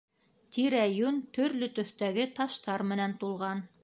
Тирә-йүн төрлө төҫтәге таштар менән тулған.